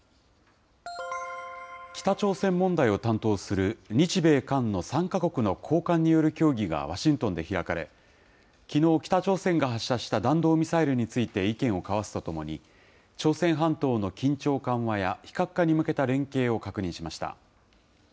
北朝鮮問題を担当する日米韓の３か国の高官による協議がワシントンで開かれ、きのう、北朝鮮が発射した弾道ミサイルについて意見を交わすとともに、朝鮮半島の緊張緩和や非核化に向けた連携を確認しました。